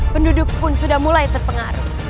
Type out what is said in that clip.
penduduk pun sudah mulai terpengaruh